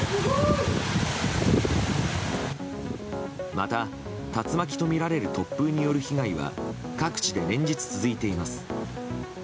また、竜巻とみられる突風による被害は各地で連日、続いています。